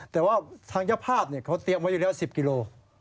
แต่ว่าทางเจ้าภาพเขาเตรียมไว้อยู่แล้ว๑๐กิโล